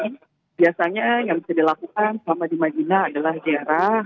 jadi biasanya yang bisa dilakukan selama di madinah adalah ziarah